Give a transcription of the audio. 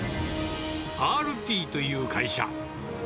アールティという会社。